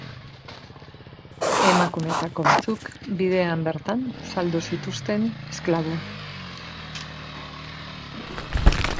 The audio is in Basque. Emakumeetako batzuk bidean bertan saldu zituzten esklabo.